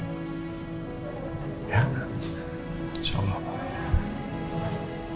insya allah pak